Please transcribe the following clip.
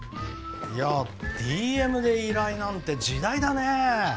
いやＤＭで依頼なんて時代だね